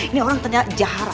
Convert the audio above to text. ini orang ternyata jahara